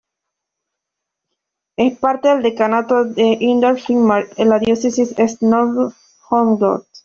Es parte del decanato de Indre Finnmark en la Diócesis de Nord-Hålogaland.